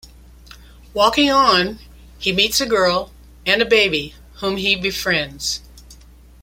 Walking on, he meets a girl and a baby, whom he befriends.